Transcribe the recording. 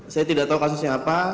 saya tidak tahu kasusnya apa